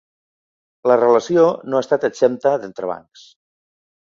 La relació no ha estat exempta d’entrebancs.